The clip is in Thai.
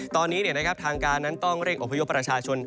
ตอนนี้ทางการนั้นต้องเร่งอพยพประชาชน